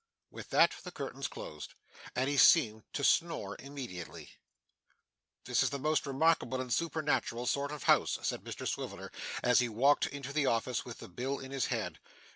With that the curtains closed, and he seemed to snore immediately. 'This is a most remarkable and supernatural sort of house!' said Mr Swiveller, as he walked into the office with the bill in his hand.